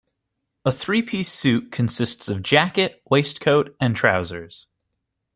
A three-piece suit consists of jacket, waistcoat and trousers